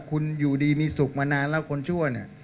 คุณอยู่ดีมีสุขมานานแล้วคนชั่วเนี่ย